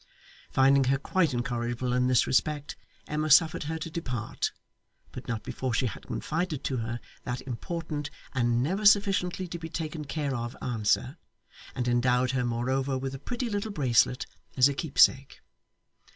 Finding her quite incorrigible in this respect, Emma suffered her to depart; but not before she had confided to her that important and never sufficiently to be taken care of answer, and endowed her moreover with a pretty little bracelet as a keepsake.